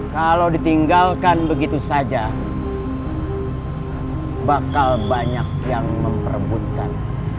kalau ditinggalkan begitu saja bakal banyak yang memperebutkan